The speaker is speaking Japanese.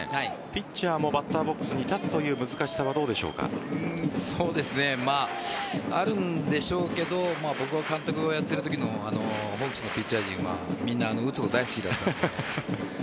ピッチャーがバッターボックスに立つというあるんでしょうけど僕は監督をやっているときのホークスのピッチャー陣はみんな打つの大好きだったので。